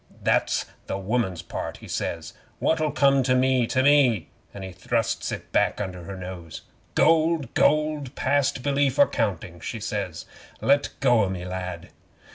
'"That's the woman's part," he says. "What'll come to me to me?" an' he thrusts it back under her nose. '"Gold gold, past belief or counting," she says. "Let go o' me, lad."